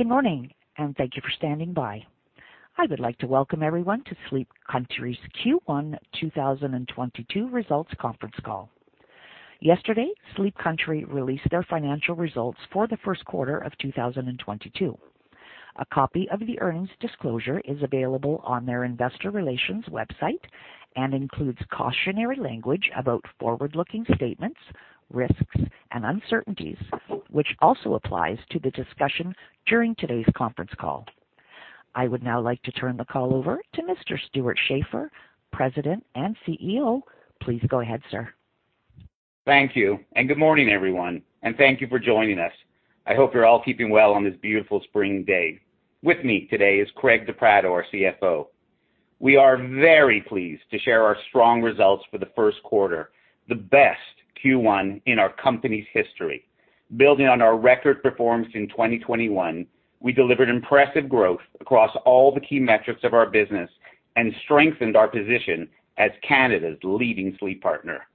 Good morning, and thank you for standing by. I would like to welcome everyone to Sleep Country's Q1 2022 results conference call. Yesterday, Sleep Country released their financial results for the first quarter of 2022. A copy of the earnings disclosure is available on their investor relations website and includes cautionary language about forward-looking statements, risks, and uncertainties, which also applies to the discussion during today's conference call. I would now like to turn the call over to Mr. Stewart Schaefer, President and CEO. Please go ahead, sir. Thank you, and good morning, everyone, and thank you for joining us. I hope you're all keeping well on this beautiful spring day. With me today is Craig De Pratto, our CFO. We are very pleased to share our strong results for the first quarter, the best Q1 in our company's history. Building on our record performance in 2021, we delivered impressive growth across all the key metrics of our business and strengthened our position as Canada's leading sleep partner.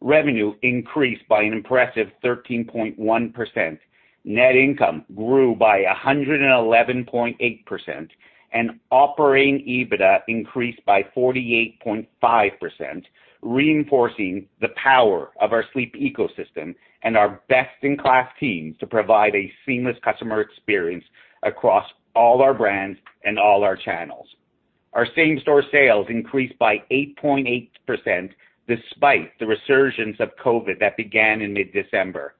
Revenue increased by an impressive 13.1%, net income grew by 111.8%, and operating EBITDA increased by 48.5%, reinforcing the power of our sleep ecosystem and our best-in-class teams to provide a seamless customer experience across all our brands and all our channels. Our same-store sales increased by 8.8% despite the resurgence of COVID that began in mid-December.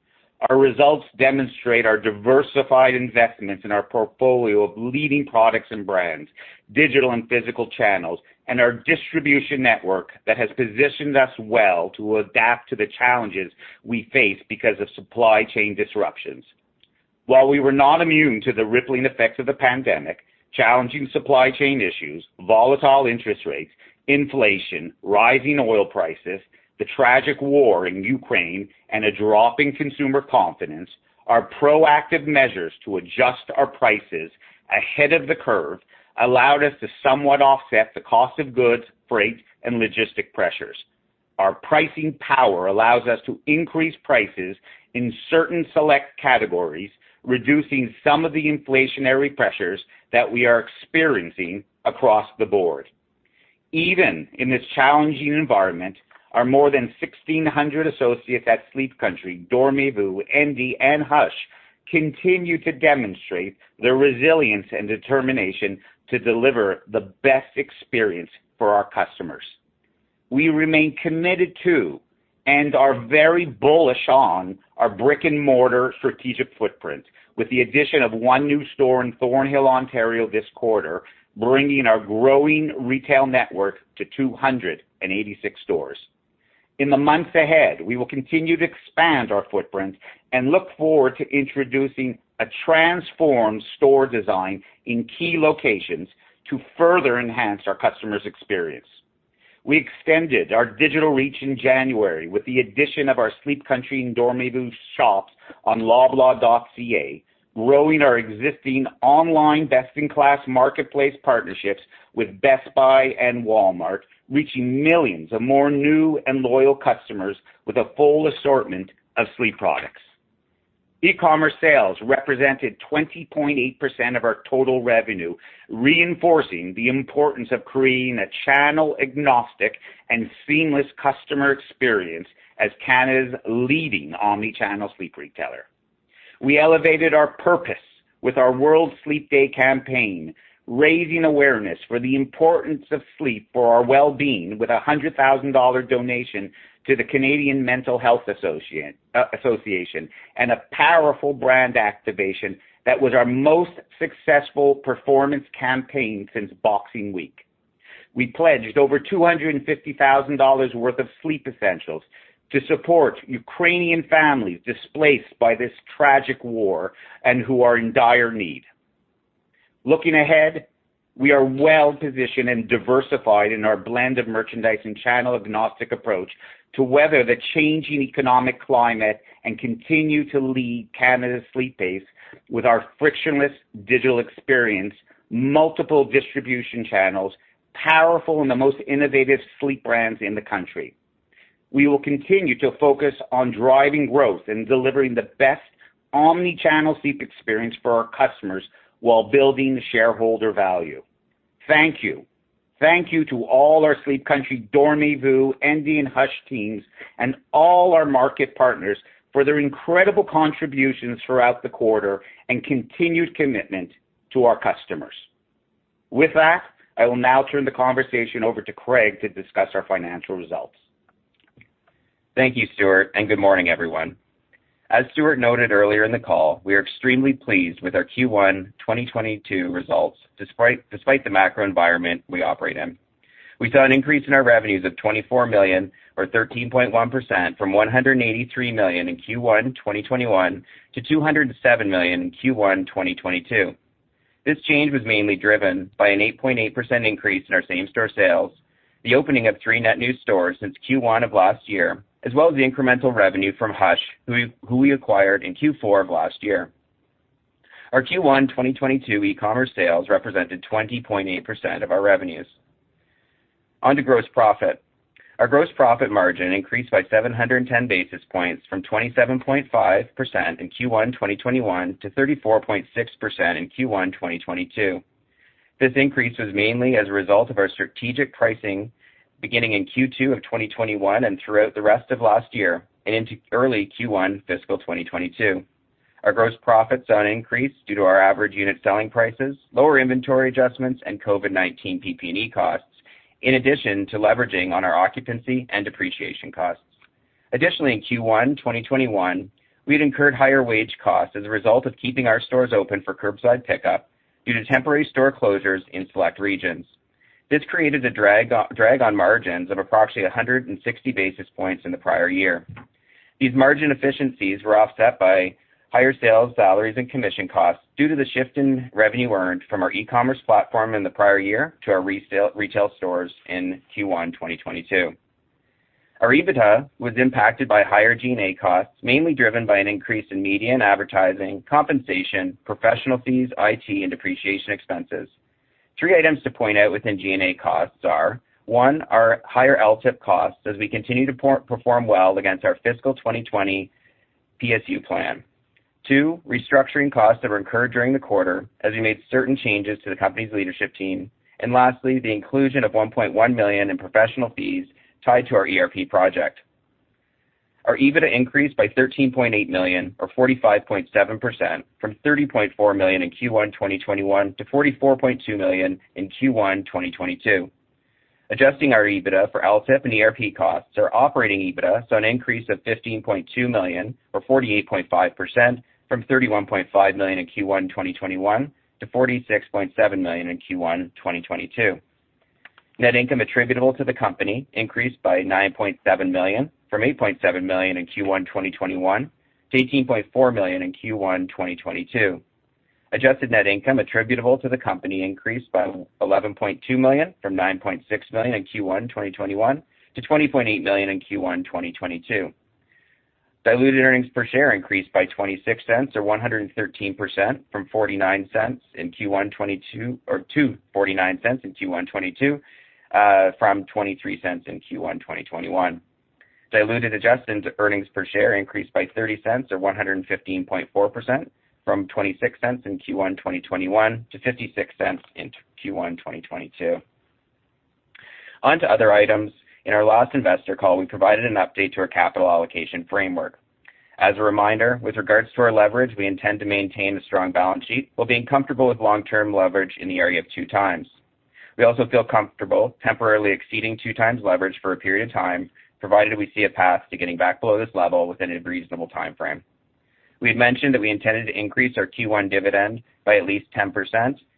Our results demonstrate our diversified investments in our portfolio of leading products and brands, digital and physical channels, and our distribution network that has positioned us well to adapt to the challenges we face because of supply chain disruptions. While we were not immune to the rippling effects of the pandemic, challenging supply chain issues, volatile interest rates, inflation, rising oil prices, the tragic war in Ukraine, and a drop in consumer confidence, our proactive measures to adjust our prices ahead of the curve allowed us to somewhat offset the cost of goods, freight, and logistic pressures. Our pricing power allows us to increase prices in certain select categories, reducing some of the inflationary pressures that we are experiencing across the board. Even in this challenging environment, our more than 1,600 associates at Sleep Country, Dormez-vous, Endy, and Hush continue to demonstrate their resilience and determination to deliver the best experience for our customers. We remain committed to, and are very bullish on, our brick-and-mortar strategic footprint. With the addition of one new store in Thornhill, Ontario, this quarter, bringing our growing retail network to 286 stores. In the months ahead, we will continue to expand our footprint and look forward to introducing a transformed store design in key locations to further enhance our customer's experience. We extended our digital reach in January with the addition of our Sleep Country and Dormez-vous shops on Loblaw.ca, growing our existing online best-in-class marketplace partnerships with Best Buy and Walmart, reaching millions of more new and loyal customers with a full assortment of sleep products. E-commerce sales represented 20.8% of our total revenue, reinforcing the importance of creating a channel agnostic and seamless customer experience as Canada's leading omnichannel sleep retailer. We elevated our purpose with our World Sleep Day campaign, raising awareness for the importance of sleep for our well-being with a 100,000 dollar donation to the Canadian Mental Health Association and a powerful brand activation that was our most successful performance campaign since Boxing Week. We pledged over 250,000 dollars worth of sleep essentials to support Ukrainian families displaced by this tragic war and who are in dire need. Looking ahead, we are well-positioned and diversified in our blend of merchandise and channel agnostic approach to weather the changing economic climate and continue to lead Canada's sleep space with our frictionless digital experience, multiple distribution channels, powerful and the most innovative sleep brands in the country. We will continue to focus on driving growth and delivering the best omnichannel sleep experience for our customers while building shareholder value. Thank you. Thank you to all our Sleep Country, Dormez-vous, Endy, and Hush teams and all our market partners for their incredible contributions throughout the quarter and continued commitment to our customers. With that, I will now turn the conversation over to Craig to discuss our financial results. Thank you, Stewart, and good morning, everyone. As Stewart noted earlier in the call, we are extremely pleased with our Q1 2022 results despite the macro environment we operate in. We saw an increase in our revenues of 24 million or 13.1% from 183 million in Q1 2021 to 207 million in Q1 2022. This change was mainly driven by an 8.8% increase in our same-store sales, the opening of three net new stores since Q1 of last year, as well as the incremental revenue from Hush, who we acquired in Q4 of last year. Our Q1 2022 e-commerce sales represented 20.8% of our revenues. On to gross profit. Our gross profit margin increased by 710 basis points from 27.5% in Q1 2021 to 34.6% in Q1 2022. This increase was mainly as a result of our strategic pricing beginning in Q2 of 2021 and throughout the rest of last year and into early Q1 fiscal 2022. Our gross profits are increased due to our average unit selling prices, lower inventory adjustments, and COVID-19 PPE costs, in addition to leveraging on our occupancy and depreciation costs. Additionally, in Q1 2021, we had incurred higher wage costs as a result of keeping our stores open for curbside pickup due to temporary store closures in select regions. This created a drag on margins of approximately 160 basis points in the prior year. These margin efficiencies were offset by higher sales, salaries, and commission costs due to the shift in revenue earned from our e-commerce platform in the prior year to our retail stores in Q1 2022. Our EBITDA was impacted by higher G&A costs, mainly driven by an increase in media and advertising, compensation, professional fees, IT, and depreciation expenses. Three items to point out within G&A costs are, one, our higher LTIP costs as we continue to perform well against our fiscal 2020 PSU plan. Two, restructuring costs that were incurred during the quarter as we made certain changes to the company's leadership team. Lastly, the inclusion of 1.1 million in professional fees tied to our ERP project. Our EBITDA increased by 13.8 million or 45.7% from 30.4 million in Q1 2021 to 44.2 million in Q1 2022. Adjusting our EBITDA for LTIP and ERP costs, our operating EBITDA saw an increase of 15.2 million or 48.5% from 31.5 million in Q1 2021 to 46.7 million in Q1 2022. Net income attributable to the company increased by 9.7 million from 8.7 million in Q1 2021 to 18.4 million in Q1 2022. Adjusted net income attributable to the company increased by 11.2 million from 9.6 million in Q1 2021 to 20.8 million in Q1 2022. Diluted earnings per share increased by 0.26 or 113% from 0.23 in Q1 2021 to 0.49 in Q1 2022. Diluted adjusted earnings per share increased by 0.30 or 115.4% from 0.26 in Q1 2021 to 0.56 in Q1 2022. On to other items. In our last investor call, we provided an update to our capital allocation framework. As a reminder, with regards to our leverage, we intend to maintain a strong balance sheet while being comfortable with long-term leverage in the area of 2x. We also feel comfortable temporarily exceeding 2x leverage for a period of time, provided we see a path to getting back below this level within a reasonable timeframe. We had mentioned that we intended to increase our Q1 dividend by at least 10%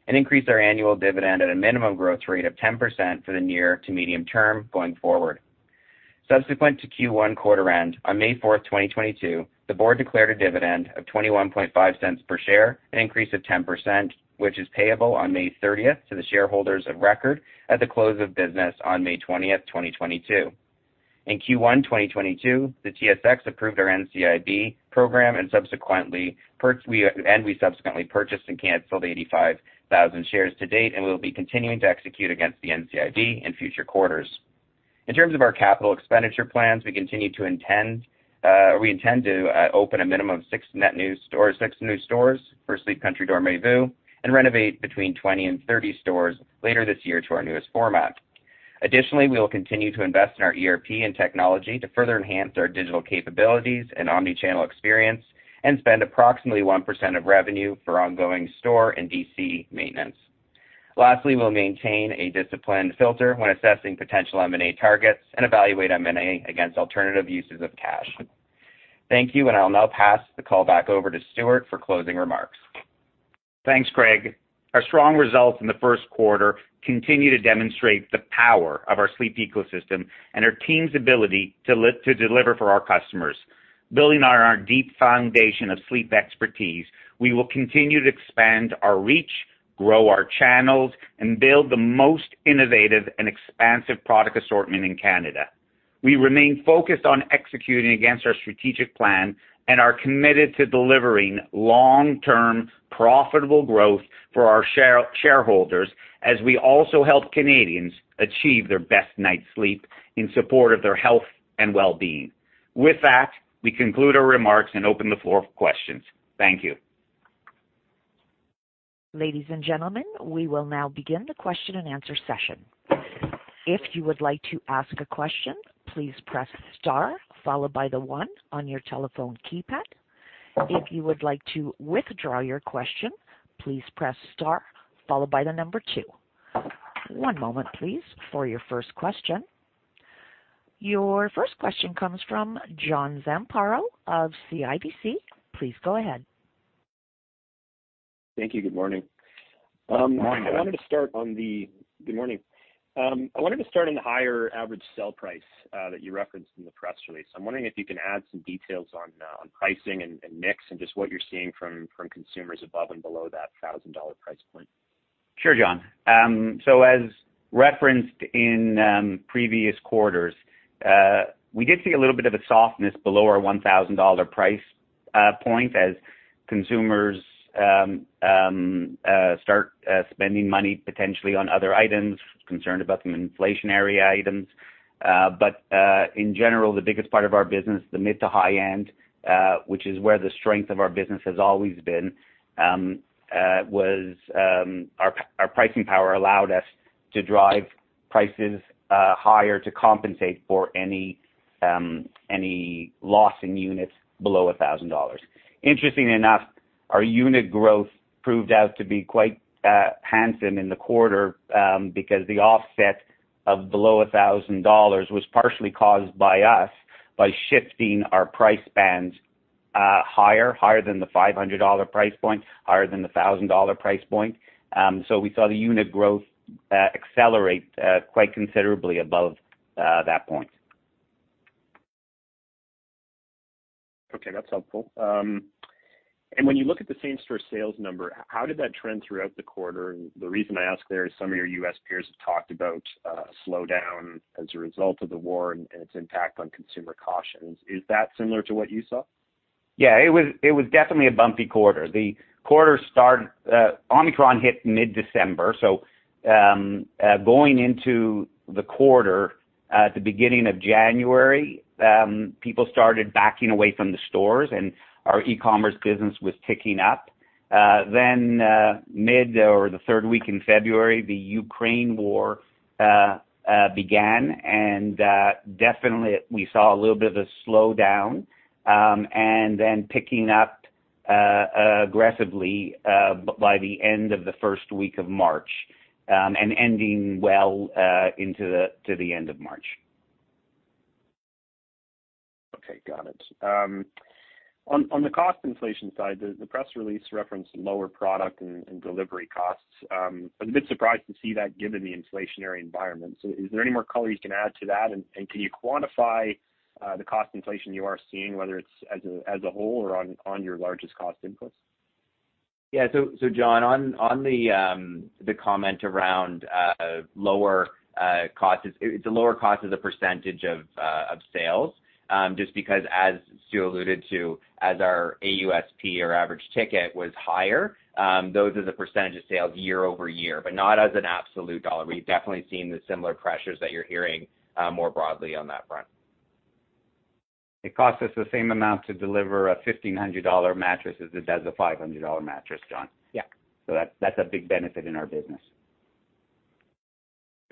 and increase our annual dividend at a minimum growth rate of 10% for the near to medium term going forward. Subsequent to Q1 quarter end, on May 4th, 2022, the board declared a dividend of 0.215 per share, an increase of 10%, which is payable on May 30th to the shareholders of record at the close of business on May 20th, 2022. In Q1 2022, the TSX approved our NCIB program and we subsequently purchased and canceled 85,000 shares to date, and we will be continuing to execute against the NCIB in future quarters. In terms of our capital expenditure plans, we intend to open a minimum of six new stores for Sleep Country Dormez-vous and renovate between 20 and 30 stores later this year to our newest format. Additionally, we will continue to invest in our ERP and technology to further enhance our digital capabilities and omnichannel experience and spend approximately 1% of revenue for ongoing store and DC maintenance. Lastly, we'll maintain a disciplined filter when assessing potential M&A targets and evaluate M&A against alternative uses of cash. Thank you, and I'll now pass the call back over to Stewart for closing remarks. Thanks, Craig. Our strong results in the first quarter continue to demonstrate the power of our sleep ecosystem and our team's ability to deliver for our customers. Building on our deep foundation of sleep expertise, we will continue to expand our reach, grow our channels, and build the most innovative and expansive product assortment in Canada. We remain focused on executing against our strategic plan and are committed to delivering long-term, profitable growth for our shareholders as we also help Canadians achieve their best night's sleep in support of their health and well-being. With that, we conclude our remarks and open the floor for questions. Thank you. Ladies and gentlemen, we will now begin the question-and-answer session. If you would like to ask a question, please press star followed by the one on your telephone keypad. If you would like to withdraw your question, please press star followed by the number two. One moment please, for your first question. Your first question comes from John Zamparo of CIBC. Please go ahead. Thank you. Good morning. Good morning. Good morning. I wanted to start on the higher average sale price that you referenced in the press release. I'm wondering if you can add some details on pricing and mix and just what you're seeing from consumers above and below that 1,000 dollar price point. Sure, John. As referenced in previous quarters, we did see a little bit of a softness below our 1,000 dollar price point as consumers start spending money potentially on other items, concerned about some inflationary items. In general, the biggest part of our business, the mid to high end, which is where the strength of our business has always been, was our pricing power allowed us to drive prices higher to compensate for any loss in units below 1,000 dollars. Interesting enough, our unit growth proved out to be quite handsome in the quarter, because the offset of below 1,000 dollars was partially caused by us shifting our price bands higher than the 500 dollar price point, higher than the 1,000 dollar price point. We saw the unit growth accelerate quite considerably above that point. Okay, that's helpful. When you look at the same store sales number, how did that trend throughout the quarter? The reason I ask there is some of your U.S. peers have talked about slowdown as a result of the war and its impact on consumer caution. Is that similar to what you saw? Yeah, it was definitely a bumpy quarter. Omicron hit mid-December, so going into the quarter at the beginning of January, people started backing away from the stores, and our e-commerce business was ticking up. Mid or the third week in February, the Ukraine war began. Definitely we saw a little bit of a slowdown, and then picking up aggressively by the end of the first week of March, and ending well into the end of March. Okay, got it. On the cost inflation side, the press release referenced lower product and delivery costs. I was a bit surprised to see that given the inflationary environment. Is there any more color you can add to that? Can you quantify the cost inflation you are seeing, whether it's as a whole or on your largest cost inputs? Yeah. John, on the comment around lower costs, it's a lower cost as a percentage of sales just because as Stewart alluded to, as our AUSP or average ticket was higher, those as a percentage of sales year-over-year, but not as an absolute dollar. We've definitely seen similar pressures that you're hearing more broadly on that front. It costs us the same amount to deliver a 1,500 dollar mattress as it does a 500 dollar mattress, John. Yeah. That's a big benefit in our business.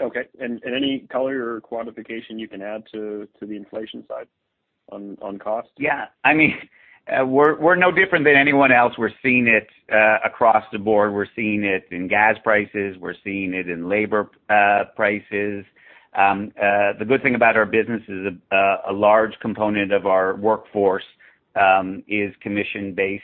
Okay. Any color or quantification you can add to the inflation side on cost? Yeah. I mean, we're no different than anyone else. We're seeing it across the board. We're seeing it in gas prices. We're seeing it in labor prices. The good thing about our business is a large component of our workforce is commission-based,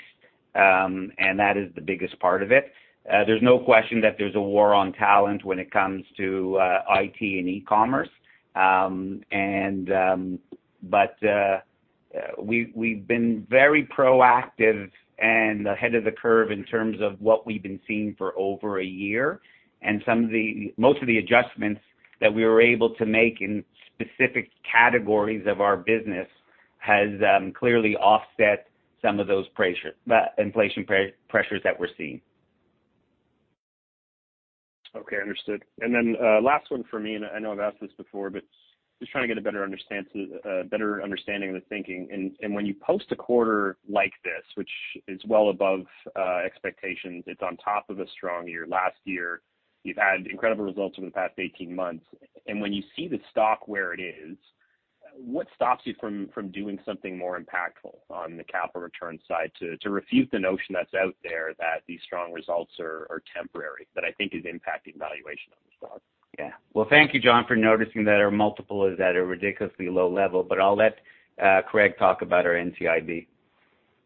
and that is the biggest part of it. There's no question that there's a war on talent when it comes to IT and e-commerce. We've been very proactive and ahead of the curve in terms of what we've been seeing for over a year. Most of the adjustments that we were able to make in specific categories of our business has clearly offset some of those inflation pressures that we're seeing. Okay, understood. Last one for me, and I know I've asked this before, but just trying to get a better understanding of the thinking. When you post a quarter like this, which is well above expectations, it's on top of a strong year last year. You've had incredible results over the past 18 months. When you see the stock where it is, what stops you from doing something more impactful on the capital return side to refute the notion that's out there that these strong results are temporary, that I think is impacting valuation on the stock? Yeah. Well, thank you, John, for noticing that our multiple is at a ridiculously low level, but I'll let Craig talk about our NCIB.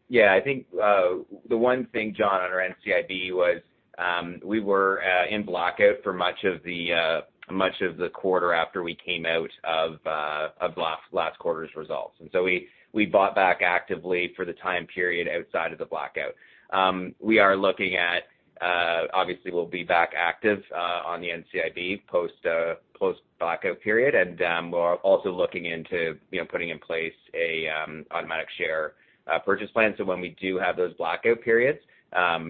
Yeah. I think the one thing, John, on our NCIB was we were in blackout for much of the quarter after we came out of last quarter's results. We bought back actively for the time period outside of the blackout. We are looking at obviously we'll be back active on the NCIB post blackout period. We're also looking into you know putting in place a automatic share purchase plan. When we do have those blackout periods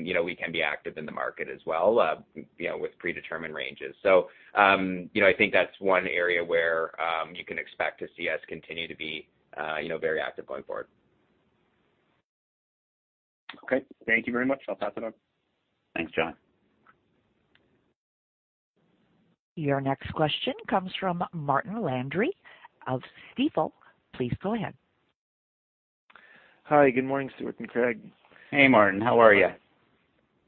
you know we can be active in the market as well you know with predetermined ranges. You know I think that's one area where you can expect to see us continue to be you know very active going forward. Okay. Thank you very much. I'll pass it on. Thanks, John. Your next question comes from Martin Landry of Stifel. Please go ahead. Hi, good morning, Stewart and Craig. Hey, Martin. How are you?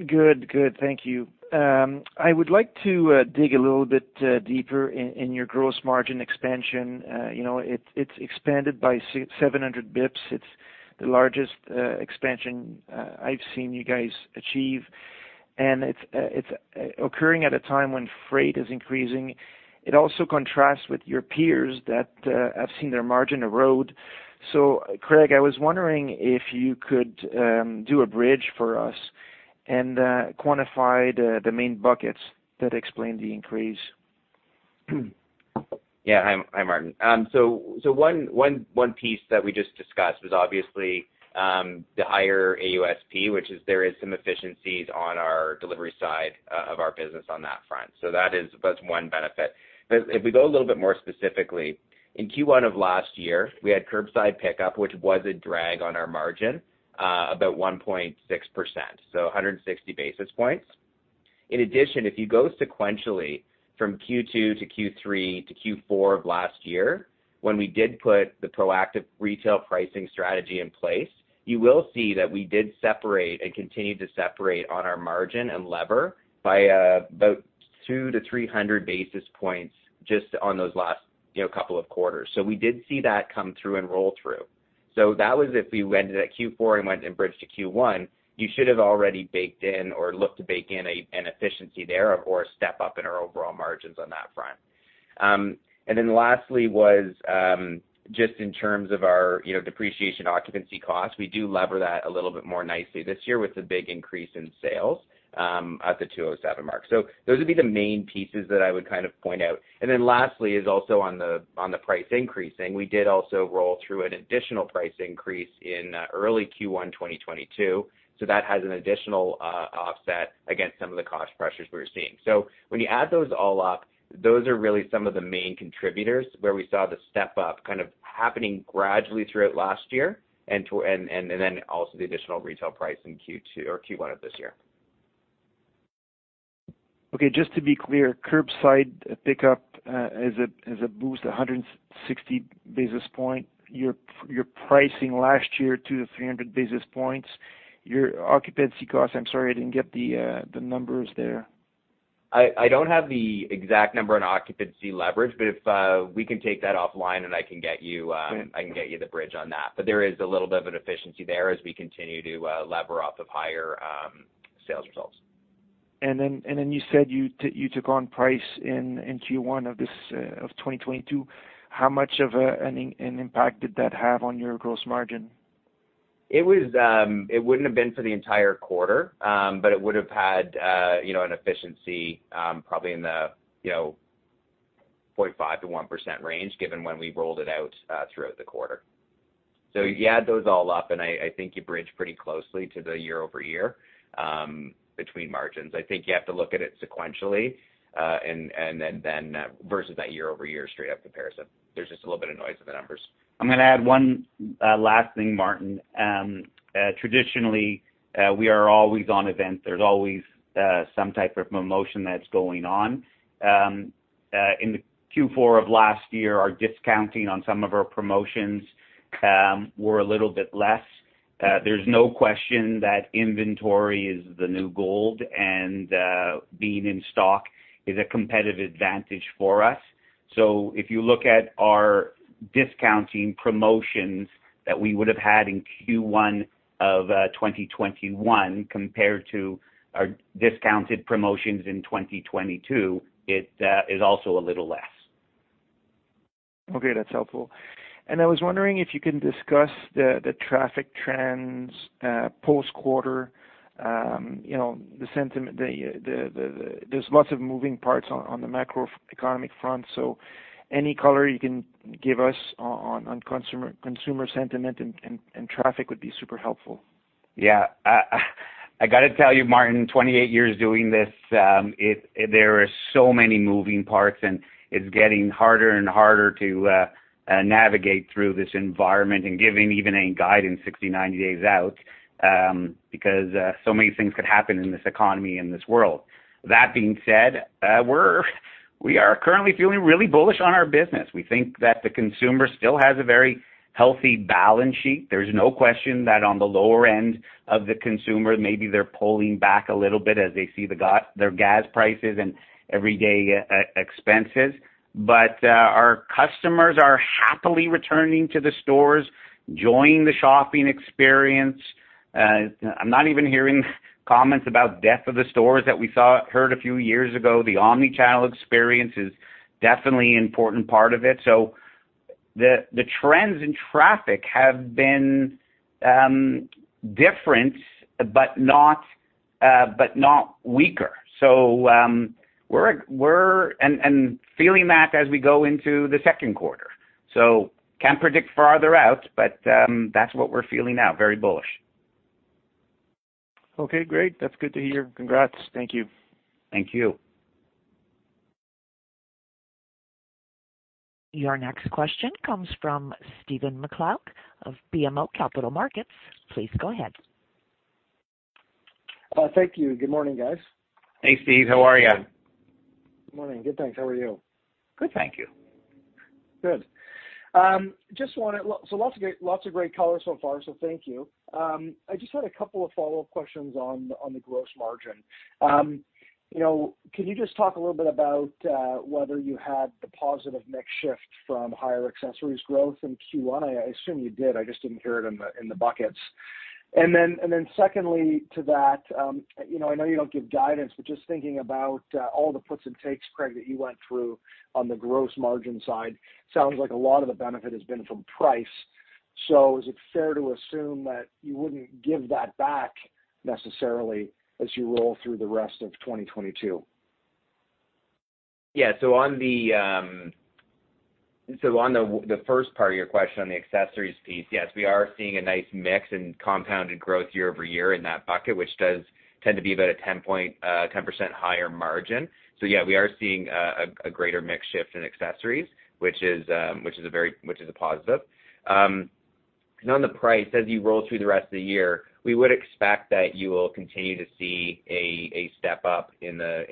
Good. Thank you. I would like to dig a little bit deeper into your gross margin expansion. You know, it's expanded by 700 basis points. It's the largest expansion I've seen you guys achieve, and it's occurring at a time when freight is increasing. It also contrasts with your peers that have seen their margin erode. Craig, I was wondering if you could do a bridge for us and quantify the main buckets that explain the increase. Yeah. Hi, Martin. One piece that we just discussed was obviously the higher AUSP, which is there is some efficiencies on our delivery side of our business on that front. That is. That's one benefit. If we go a little bit more specifically, in Q1 of last year, we had curbside pickup, which was a drag on our margin, about 1.6%, so 160 basis points. In addition, if you go sequentially from Q2 to Q3 to Q4 of last year, when we did put the proactive retail pricing strategy in place, you will see that we did separate and continue to separate on our margin and leverage by about 200-300 basis points just on those last, you know, couple of quarters. We did see that come through and roll through. That was, if we ended at Q4 and went and bridged to Q1, you should have already baked in or looked to bake in an efficiency there or a step up in our overall margins on that front. And then lastly was just in terms of our, you know, depreciation and occupancy costs, we do leverage that a little bit more nicely this year with the big increase in sales at the 207 million mark. Those would be the main pieces that I would kind of point out. And then lastly is also on the pricing. We did also roll through an additional price increase in early Q1 2022. That has an additional offset against some of the cost pressures we're seeing. When you add those all up, those are really some of the main contributors where we saw the step up kind of happening gradually throughout last year and then also the additional retail price in Q2 or Q1 of this year. Okay. Just to be clear, curbside pickup as a boost, 160 basis points. Your pricing last year, 200-300 basis points. Your occupancy costs, I'm sorry, I didn't get the numbers there. I don't have the exact number on occupancy leverage, but if we can take that offline, and I can get you the bridge on that. There is a little bit of an efficiency there as we continue to leverage off of higher sales results. You said you took on price in Q1 of 2022. How much of an impact did that have on your gross margin? It was, it wouldn't have been for the entire quarter, but it would've had, you know, an efficiency, probably in the, you know, 0.5%-1% range given when we rolled it out, throughout the quarter. You add those all up, and I think you bridge pretty closely to the year-over-year, between margins. I think you have to look at it sequentially, and then versus that year-over-year straight up comparison. There's just a little bit of noise in the numbers. I'm gonna add one last thing, Martin. Traditionally, we are always on event. There's always some type of promotion that's going on. In the Q4 of last year, our discounting on some of our promotions were a little bit less. There's no question that inventory is the new gold, and being in stock is a competitive advantage for us. If you look at our discounting promotions that we would've had in Q1 of 2021 compared to our discounted promotions in 2022, it is also a little less. Okay, that's helpful. I was wondering if you can discuss the traffic trends post-quarter. You know, there's lots of moving parts on the macroeconomic front, so any color you can give us on consumer sentiment and traffic would be super helpful. Yeah. I gotta tell you, Martin, 28 years doing this, there are so many moving parts, and it's getting harder and harder to navigate through this environment and giving even a guidance 60, 90 days out, because so many things could happen in this economy and this world. That being said, we are currently feeling really bullish on our business. We think that the consumer still has a very healthy balance sheet. There's no question that on the lower end of the consumer, maybe they're pulling back a little bit as they see their gas prices and everyday expenses. Our customers are happily returning to the stores, enjoying the shopping experience. I'm not even hearing comments about death of the stores that we heard a few years ago. The omnichannel experience is definitely an important part of it. The trends in traffic have been different, but not weaker. We're feeling that as we go into the second quarter. Can't predict farther out, but that's what we're feeling now, very bullish. Okay, great. That's good to hear. Congrats. Thank you. Thank you. Your next question comes from Stephen MacLeod of BMO Capital Markets. Please go ahead. Thank you. Good morning, guys. Hey, Steve. How are you? Good morning. Good, thanks. How are you? Good, thank you. Good. So lots of great color so far, so thank you. I just had a couple of follow-up questions on the gross margin. You know, can you just talk a little bit about whether you had the positive mix shift from higher accessories growth in Q1? I assume you did. I just didn't hear it in the buckets. Then secondly to that, you know, I know you don't give guidance, but just thinking about all the puts and takes, Craig, that you went through on the gross margin side, sounds like a lot of the benefit has been from price. Is it fair to assume that you wouldn't give that back necessarily as you roll through the rest of 2022? Yeah. On the first part of your question on the accessories piece, yes, we are seeing a nice mix and compounded growth year-over-year in that bucket, which does tend to be about a 10% higher margin. Yeah, we are seeing a greater mix shift in accessories, which is a positive. On the price, as you roll through the rest of the year, we would expect that you will continue to see a step up in the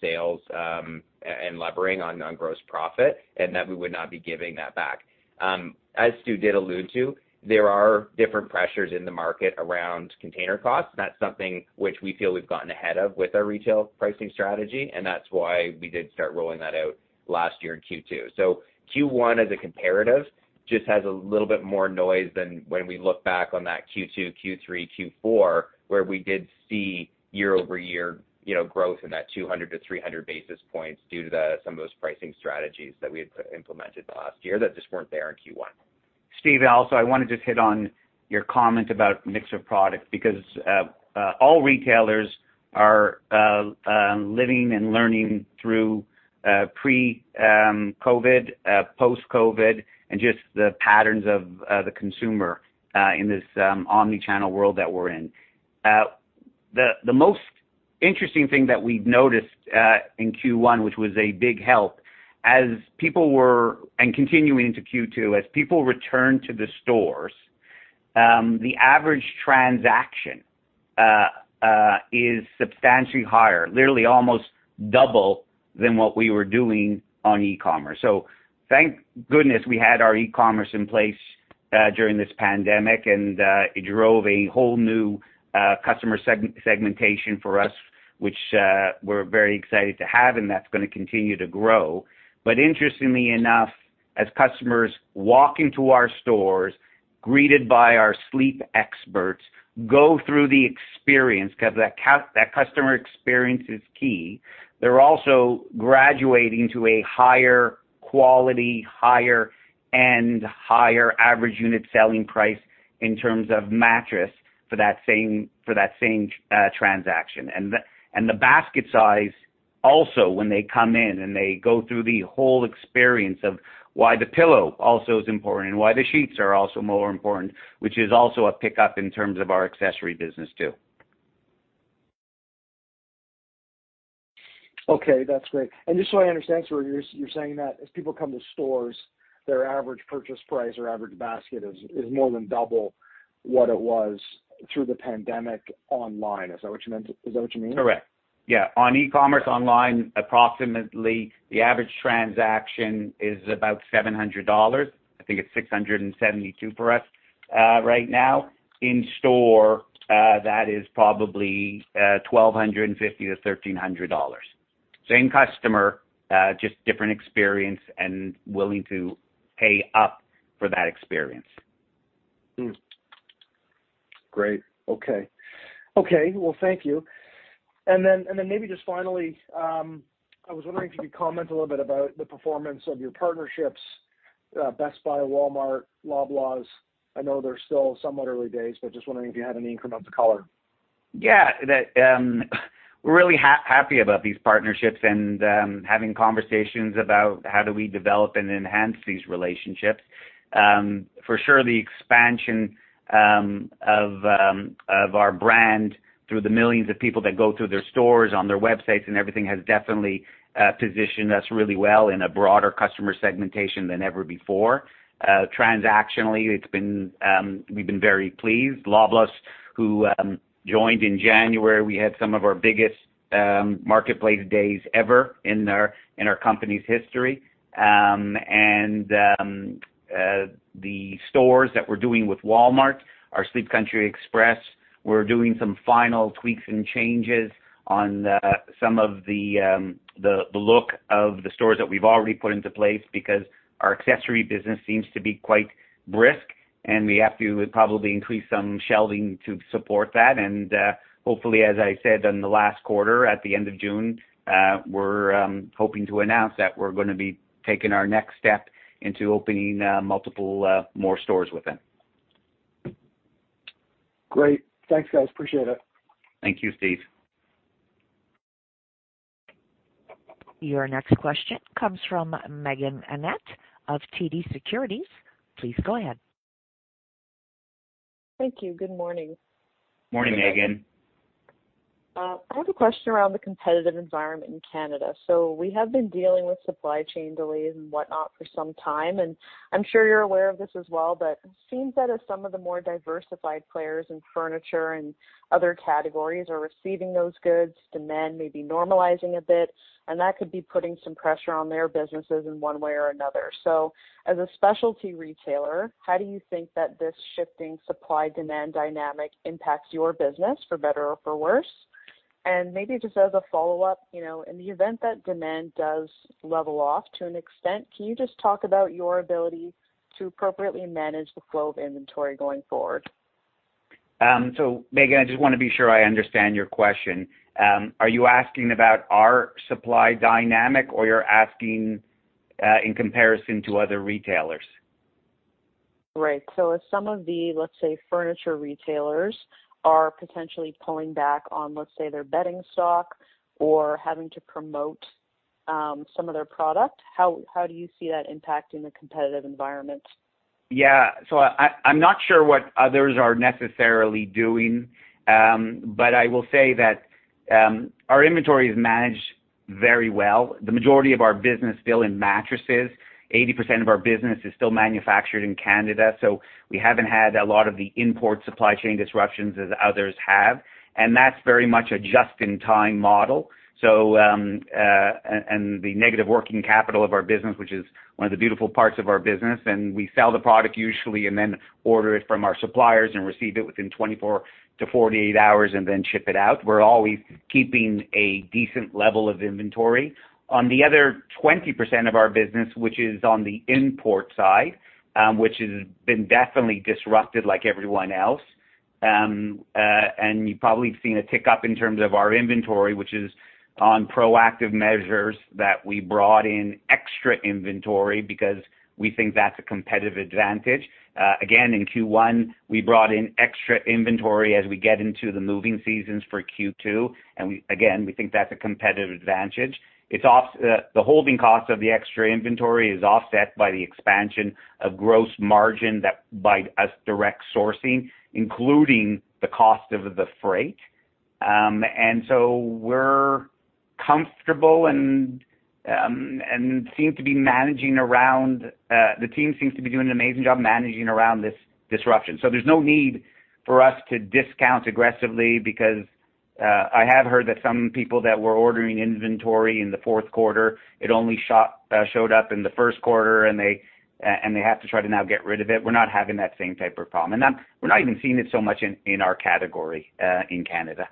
sales, and levering on non-gross profit, and that we would not be giving that back. As Stu did allude to, there are different pressures in the market around container costs. That's something which we feel we've gotten ahead of with our retail pricing strategy, and that's why we did start rolling that out last year in Q2. Q1 as a comparative just has a little bit more noise than when we look back on that Q2, Q3, Q4, where we did see year-over-year, you know, growth in that 200-300 basis points due to some of those pricing strategies that we had implemented the last year that just weren't there in Q1. Steve, also, I wanna just hit on your comment about mix of products because all retailers are living and learning through pre-COVID, post-COVID, and just the patterns of the consumer in this omni-channel world that we're in. The most interesting thing that we've noticed in Q1, which was a big help, and continuing into Q2, as people return to the stores, the average transaction is substantially higher, literally almost double than what we were doing on e-commerce. Thank goodness we had our e-commerce in place during this pandemic, and it drove a whole new customer segmentation for us, which we're very excited to have, and that's gonna continue to grow. Interestingly enough, as customers walk into our stores, greeted by our sleep experts, go through the experience, 'cause that customer experience is key, they're also graduating to a higher quality, higher end, higher average unit selling price in terms of mattress for that same transaction. The basket size also when they come in and they go through the whole experience of why the pillow also is important and why the sheets are also more important, which is also a pickup in terms of our accessory business too. Okay, that's great. Just so I understand, so you're saying that as people come to stores, their average purchase price or average basket is more than double what it was through the pandemic online. Is that what you mean? Correct. Yeah. On e-commerce online, approximately the average transaction is about 700 dollars. I think it's 672 for us right now. In store, that is probably 1,250-1,300 dollars. Same customer, just different experience and willing to pay up for that experience. Great. Okay, well, thank you. Maybe just finally, I was wondering if you could comment a little bit about the performance of your partnerships, Best Buy, Walmart, Loblaws. I know they're still somewhat early days, but just wondering if you had any color. Yeah. We're really happy about these partnerships and having conversations about how do we develop and enhance these relationships. For sure the expansion of our brand through the millions of people that go through their stores, on their websites and everything has definitely positioned us really well in a broader customer segmentation than ever before. Transactionally, we've been very pleased. Loblaws, who joined in January, we had some of our biggest marketplace days ever in our company's history. The stores that we're doing with Walmart, our Sleep Country Express, we're doing some final tweaks and changes on some of the look of the stores that we've already put into place because our accessory business seems to be quite brisk, and we have to probably increase some shelving to support that. Hopefully, as I said on the last quarter, at the end of June, we're hoping to announce that we're gonna be taking our next step into opening multiple more stores with them. Great. Thanks, guys. Appreciate it. Thank you, Steve. Your next question comes from Meaghen Annett of TD Securities. Please go ahead. Thank you. Good morning. Morning, Meaghen. I have a question around the competitive environment in Canada. We have been dealing with supply chain delays and whatnot for some time, and I'm sure you're aware of this as well, but it seems that as some of the more diversified players in furniture and other categories are receiving those goods, demand may be normalizing a bit, and that could be putting some pressure on their businesses in one way or another. As a specialty retailer, how do you think that this shifting supply-demand dynamic impacts your business for better or for worse? Maybe just as a follow-up, you know, in the event that demand does level off to an extent, can you just talk about your ability to appropriately manage the flow of inventory going forward? Meaghen, I just wanna be sure I understand your question. Are you asking about our supply dynamic or you're asking, in comparison to other retailers? Right. If some of the, let's say, furniture retailers are potentially pulling back on, let's say, their bedding stock or having to promote some of their product, how do you see that impacting the competitive environment? Yeah. I'm not sure what others are necessarily doing. I will say that our inventory is managed very well. The majority of our business is still in mattresses. 80% of our business is still manufactured in Canada, so we haven't had a lot of the import supply chain disruptions as others have. That's very much a just-in-time model. The negative working capital of our business, which is one of the beautiful parts of our business, and we sell the product usually and then order it from our suppliers and receive it within 24-48 hours and then ship it out. We're always keeping a decent level of inventory. On the other 20% of our business, which is on the import side, which has been definitely disrupted like everyone else. You've probably seen a tick up in terms of our inventory, which is on proactive measures that we brought in extra inventory because we think that's a competitive advantage. Again, in Q1, we brought in extra inventory as we get into the moving seasons for Q2. Again, we think that's a competitive advantage. The holding cost of the extra inventory is offset by the expansion of gross margin through our direct sourcing, including the cost of the freight. We're comfortable and seem to be managing around this disruption. The team seems to be doing an amazing job managing around this disruption. There's no need for us to discount aggressively because I have heard that some people that were ordering inventory in the fourth quarter, it only showed up in the first quarter, and they have to try to now get rid of it. We're not having that same type of problem. We're not even seeing it so much in our category in Canada.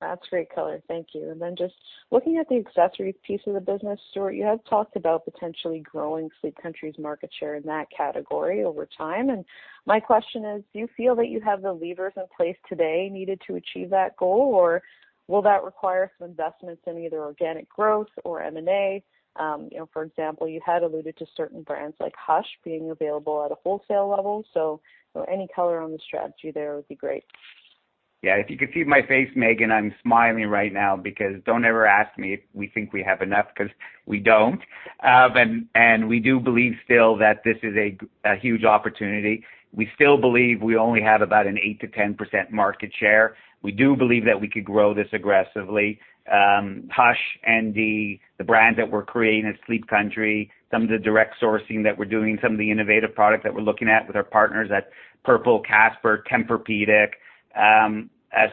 That's great color. Thank you. Then just looking at the accessories piece of the business, Stewart, you have talked about potentially growing Sleep Country's market share in that category over time. My question is, do you feel that you have the levers in place today needed to achieve that goal, or will that require some investments in either organic growth or M&A? You know, for example, you had alluded to certain brands like Hush being available at a wholesale level. So any color on the strategy there would be great. Yeah. If you could see my face, Meagan, I'm smiling right now because don't ever ask me if we think we have enough because we don't. And we do believe still that this is a huge opportunity. We still believe we only have about an 8%-10% market share. We do believe that we could grow this aggressively. Hush and the brand that we're creating at Sleep Country, some of the direct sourcing that we're doing, some of the innovative product that we're looking at with our partners at Purple, Casper, Tempur-Pedic.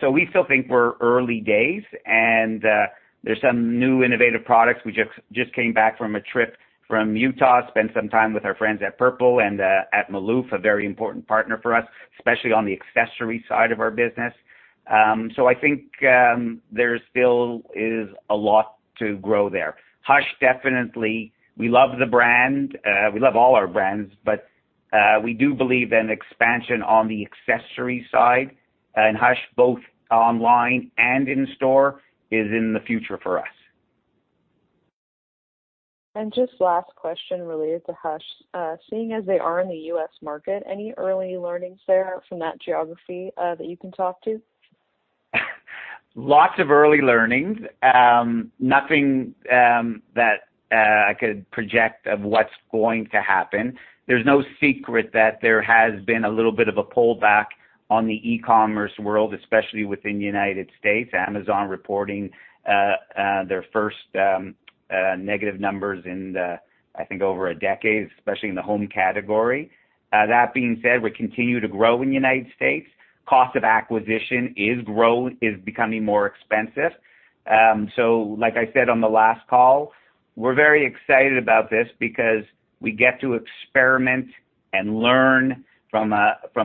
So we still think we're early days and there's some new innovative products. We just came back from a trip from Utah, spent some time with our friends at Purple and at Malouf, a very important partner for us, especially on the accessory side of our business. I think there still is a lot to grow there. Hush, definitely. We love the brand. We love all our brands, but we do believe an expansion on the accessory side and Hush both online and in store is in the future for us. Just last question related to Hush. Seeing as they are in the U.S. market, any early learnings there from that geography, that you can talk to? Lots of early learnings. Nothing that I could project of what's going to happen. There's no secret that there has been a little bit of a pullback on the e-commerce world, especially within United States. Amazon reporting their first negative numbers in the, I think, over a decade, especially in the home category. That being said, we continue to grow in the United States. Cost of acquisition is becoming more expensive. So like I said on the last call, we're very excited about this because we get to experiment and learn from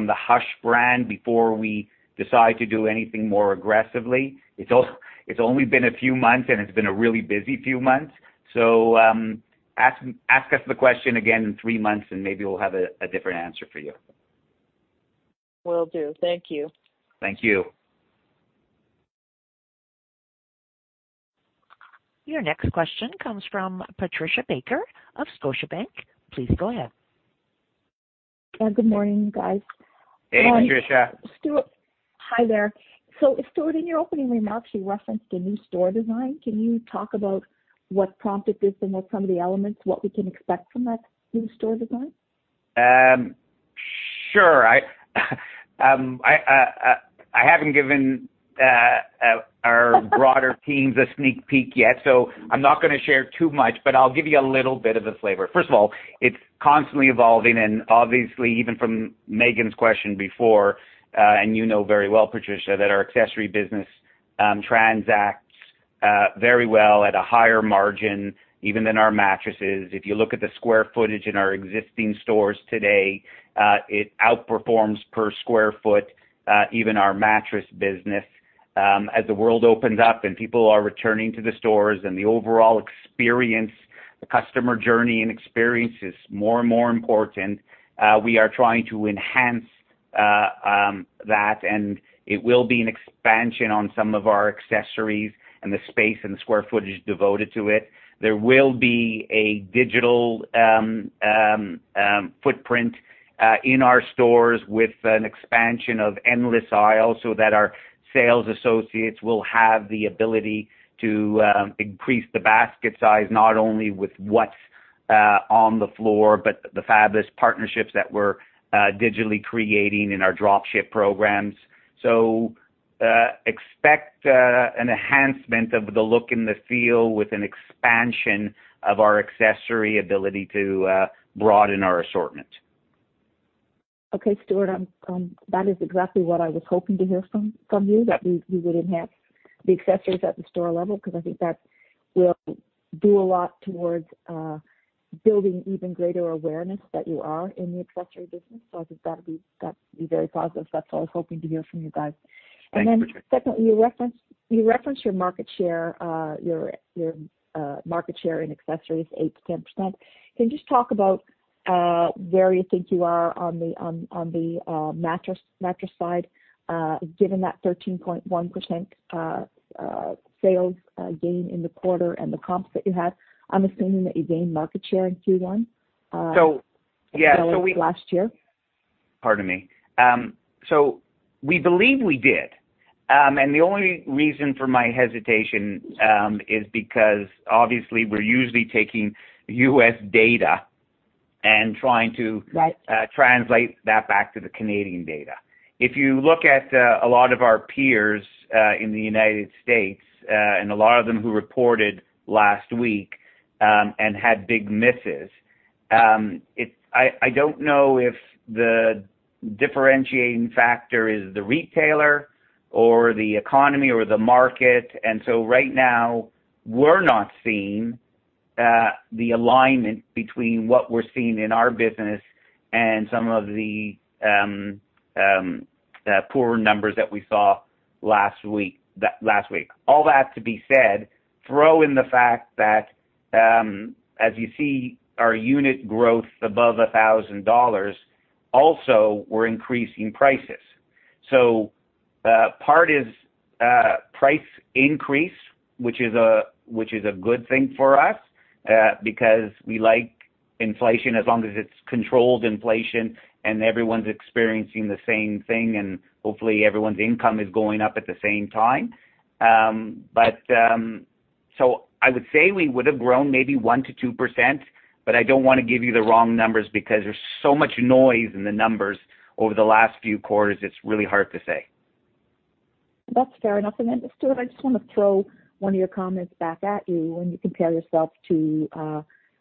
the Hush brand before we decide to do anything more aggressively. It's only been a few months, and it's been a really busy few months. Ask us the question again in three months, and maybe we'll have a different answer for you. Will do. Thank you. Thank you. Your next question comes from Patricia Baker of Scotiabank. Please go ahead. Good morning, guys. Hey, Patricia. Stewart. Hi there. Stewart, in your opening remarks, you referenced a new store design. Can you talk about what prompted this and what some of the elements, what we can expect from that new store design? Sure. I haven't given our broader teams a sneak peek yet, so I'm not gonna share too much, but I'll give you a little bit of a flavor. First of all, it's constantly evolving, and obviously, even from Meaghen's question before, and you know very well, Patricia, that our accessory business transacts very well at a higher margin, even than our mattresses. If you look at the square footage in our existing stores today, it outperforms per square foot, even our mattress business. As the world opens up and people are returning to the stores and the overall experience. The customer journey and experience is more and more important. We are trying to enhance that, and it will be an expansion on some of our accessories and the space and square footage devoted to it. There will be a digital footprint in our stores with an expansion of endless aisles, so that our sales associates will have the ability to increase the basket size, not only with what's on the floor, but the fabulous partnerships that we're digitally creating in our dropship programs. Expect an enhancement of the look and the feel with an expansion of our accessory ability to broaden our assortment. Okay, Stewart. That is exactly what I was hoping to hear from you. Yep. That we would enhance the accessories at the store level, because I think that will do a lot towards building even greater awareness that you are in the accessory business. I think that'll be, that'd be very positive. That's what I was hoping to hear from you guys. Thanks, Patricia. You referenced your market share in accessories, 8%-10%. Can you just talk about where you think you are on the mattress side, given that 13.1% sales gain in the quarter and the comps that you had? I'm assuming that you gained market share in Q1- Yeah. -as well as last year. Pardon me. We believe we did. The only reason for my hesitation is because obviously we're usually taking U.S. data and trying to- Right. -translate that back to the Canadian data. If you look at a lot of our peers in the United States and a lot of them who reported last week and had big misses, I don't know if the differentiating factor is the retailer or the economy or the market. Right now, we're not seeing the alignment between what we're seeing in our business and some of the poor numbers that we saw last week. All that to be said, throw in the fact that as you see our unit growth above 1,000 dollars, also we're increasing prices. Part is price increase, which is a good thing for us, because we like inflation as long as it's controlled inflation and everyone's experiencing the same thing, and hopefully everyone's income is going up at the same time. I would say we would've grown maybe 1%-2%, but I don't wanna give you the wrong numbers because there's so much noise in the numbers over the last few quarters, it's really hard to say. That's fair enough. Then Stewart, I just wanna throw one of your comments back at you when you compare yourself to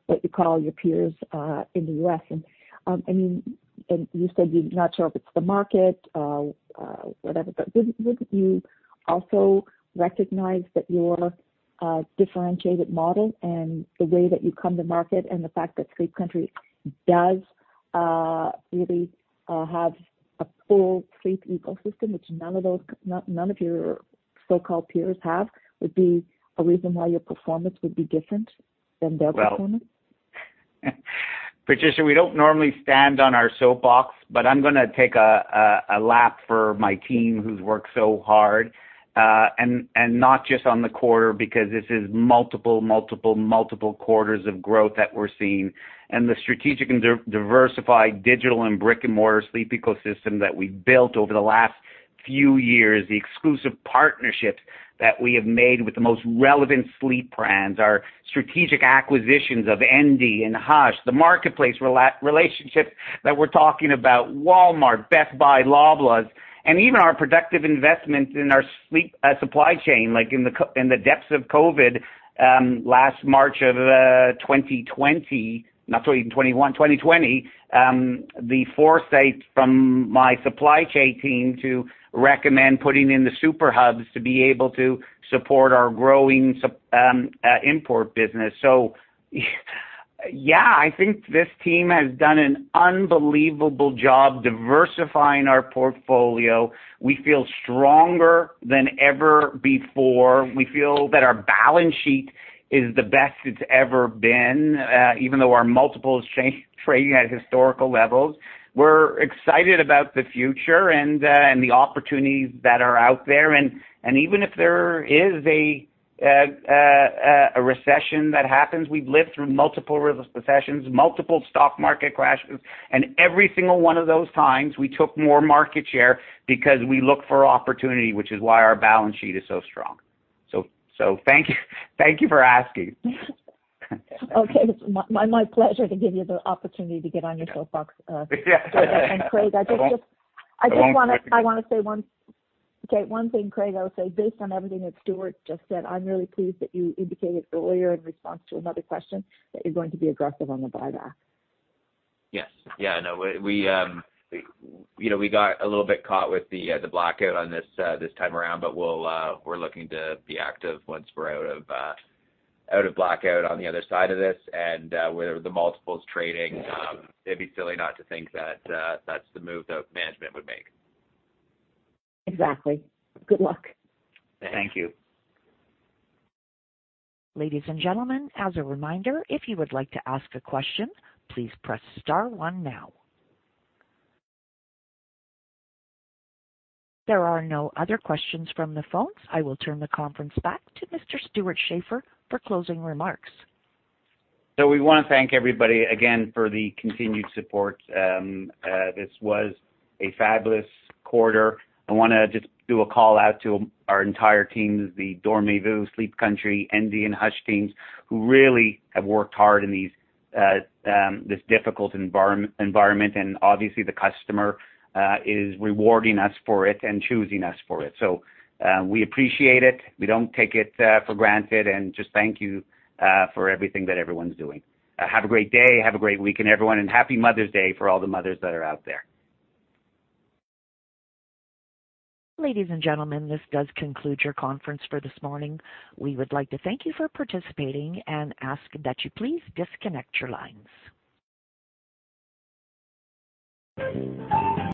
what you call your peers in the U.S. I mean, and you said you're not sure if it's the market, whatever. Wouldn't you also recognize that your differentiated model and the way that you come to market and the fact that Sleep Country does really have a full sleep ecosystem, which none of those of your so-called peers have, would be a reason why your performance would be different than their performance? Well, Patricia, we don't normally stand on our soapbox, but I'm gonna take a lap for my team who's worked so hard. Not just on the quarter, because this is multiple quarters of growth that we're seeing. The strategic and diversified digital and brick-and-mortar sleep ecosystem that we've built over the last few years, the exclusive partnerships that we have made with the most relevant sleep brands, our strategic acquisitions of Endy and Hush, the marketplace relationship that we're talking about, Walmart, Best Buy, Loblaws, and even our productive investments in our sleep supply chain, like in the depths of COVID, last March of 2020, not 2021, 2020, the foresight from my supply chain team to recommend putting in the super hubs to be able to support our growing import business. Yeah, I think this team has done an unbelievable job diversifying our portfolio. We feel stronger than ever before. We feel that our balance sheet is the best it's ever been, even though our multiples trading at historical levels. We're excited about the future and the opportunities that are out there. Even if there is a recession that happens, we've lived through multiple recessions, multiple stock market crashes, and every single one of those times, we took more market share because we look for opportunity, which is why our balance sheet is so strong. Thank you. Thank you for asking. Okay. It's my pleasure to give you the opportunity to get on your soapbox. Yeah. Craig, I just Go on. I just wanna- Go on. I wanna say okay, one thing. Craig, I would say based on everything that Stewart just said, I'm really pleased that you indicated earlier in response to another question that you're going to be aggressive on the buyback. Yes. Yeah, no. We, you know, got a little bit caught with the blackout on this time around, but we're looking to be active once we're out of blackout on the other side of this. Where the multiples trading, it'd be silly not to think that that's the move that management would make. Exactly. Good luck. Thank you. Thank you. Ladies and gentlemen, as a reminder, if you would like to ask a question, please press star one now. There are no other questions from the phones. I will turn the conference back to Mr. Stewart Schaefer for closing remarks. We wanna thank everybody again for the continued support. This was a fabulous quarter. I wanna just do a call out to our entire teams, the Dormez-vous, Sleep Country, Endy and Hush teams, who really have worked hard in this difficult environment. Obviously the customer is rewarding us for it and choosing us for it. We appreciate it. We don't take it for granted. Just thank you for everything that everyone's doing. Have a great day, have a great week, and everyone and happy Mother's Day for all the mothers that are out there. Ladies and gentlemen, this does conclude your conference for this morning. We would like to thank you for participating and ask that you please disconnect your lines.